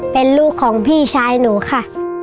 เป็นลูกของพี่ชายหนูค่ะ